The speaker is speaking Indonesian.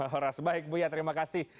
horas baik buya terima kasih